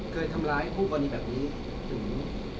เคยทำร้ายคู่กรณีแบบนี้ถึง